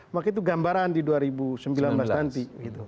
maka itu gambaran di dua ribu sembilan belas nanti